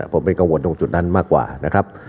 ผมเป็นกังวลตรงจุดนั้นมากกว่านะครับ